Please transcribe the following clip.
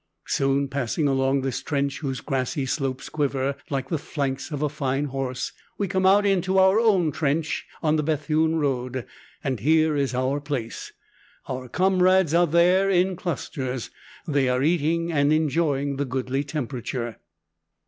Soon, passing along this trench whose grassy slopes quiver like the flanks of a fine horse, we come out into our own trench on the Bethune road, and here is our place. Our comrades are there, in clusters. They are eating, and enjoying the goodly temperature.